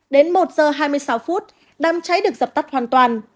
đến một giờ hai mươi sáu phút đám cháy được dập tắt hoàn toàn